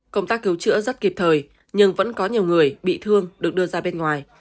công tác cứu chữa rất kịp thời nhưng vẫn có nhiều người bị thương được đưa ra bên ngoài